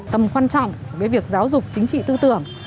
tâm quan trọng về việc giáo dục chính trị tư tưởng